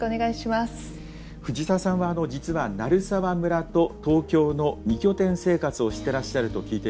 藤沢さんは実は鳴沢村と東京の２拠点生活をしてらっしゃると聞いています。